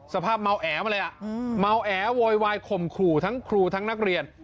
สภาพเมาแอมาเลยเมาแอโวยวายข่มขู่ทั้งครูทั้งนักเรียน